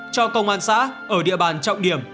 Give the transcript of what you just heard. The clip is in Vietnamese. cho công an xã ở địa bàn trọng điểm